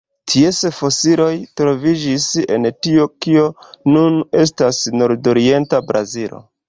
Ties fosilioj troviĝis en tio kio nun estas nordorienta Brazilo.